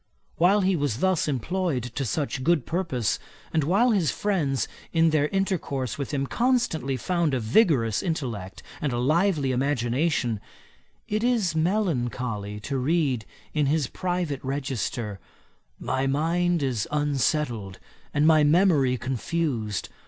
While he was thus employed to such good purpose, and while his friends in their intercourse with him constantly found a vigorous intellect and a lively imagination, it is melancholy to read in his private register, 'My mind is unsettled and my memory confused.